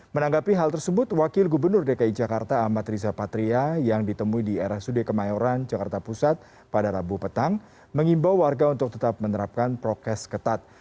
menanggapi hal tersebut wakil gubernur dki jakarta amat riza patria yang ditemui di rsud kemayoran jakarta pusat pada rabu petang mengimbau warga untuk tetap menerapkan prokes ketat